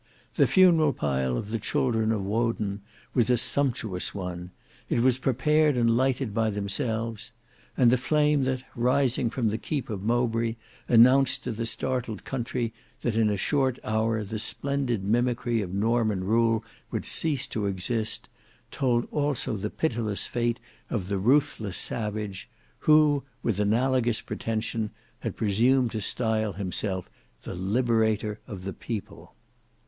The funeral pile of the children of Woden was a sumptuous one; it was prepared and lighted by themselves; and the flame that, rising from the keep of Mowbray, announced to the startled country that in a short hour the splendid mimickry of Norman rule would cease to exist, told also the pitiless fate of the ruthless savage, who, with analogous pretension, had presumed to style himself the Liberator of the People.